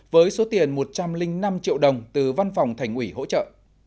với số tiền một trăm linh năm triệu đồng từ văn phòng thành ủy hỗ trợ